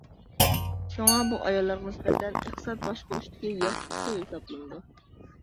شۇڭا بۇ ئاياللارغا نىسبەتەن ئىقتىساد باشقۇرۇشتىكى ياخشى ئۇسۇل ھېسابلىنىدۇ.